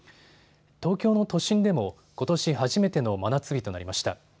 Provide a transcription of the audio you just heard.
東京の都心でも、ことし初めての真夏日となりました。